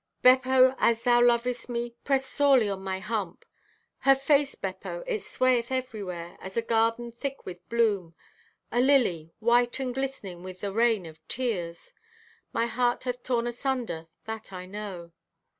Beppo, as thou lovest me, press sorely on my hump! Her face, Beppo, it swayeth everywhere, as a garden thick with bloom—a lily, white and glistening with a rain of tears. My heart hath torn asunder, that I know.